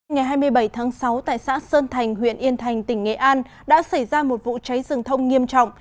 ngày hai mươi bảy tháng sáu tại xã sơn thành huyện yên thành tỉnh nghệ an đã xảy ra một vụ cháy rừng thông nghiêm trọng